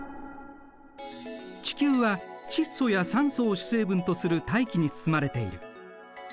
地球は窒素や酸素を主成分とする大気に包まれている。